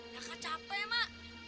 daka capek mak